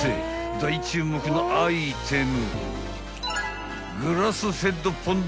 大注目のアイテム］